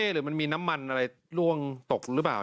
หรือมันมีน้ำมันอะไรล่วงตกหรือเปล่า